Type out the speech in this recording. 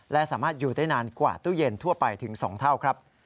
และสามารถอยู่ได้นานกว่าตู้เย็นทั่วไปถึง๒เท่าครับ